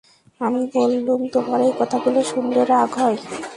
আমি বললুম, তোমার এই কথাগুলো শুনলে রাগ হয়।